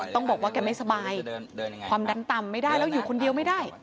ต้องบอกว่าแกไม่สบายความดันต่ำไม่ได้แล้วอยู่คนเดียวไม่ได้